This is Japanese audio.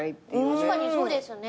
確かにそうですね。